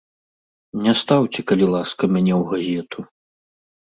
Не стаўце, калі ласка, мяне ў газету.